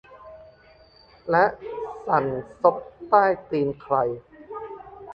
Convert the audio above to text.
และสั่นซบใต้ตีนใคร